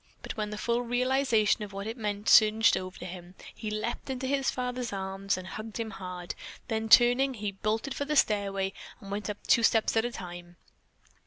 But when the full realization of what it meant surged over him, he leaped into his father's arms and hugged him hard, then turning, he bolted for the stairway, and went up two steps at a time.